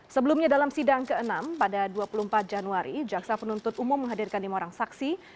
sebelumnya dalam sidang ke enam pada dua puluh empat januari jaksa penuntut umum menghadirkan lima orang saksi